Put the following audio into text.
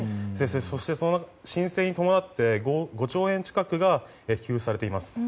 そして、その申請に伴って５兆円近くが給付されています。